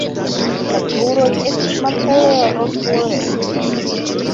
La kruroj estas malhele rozkolorecaj.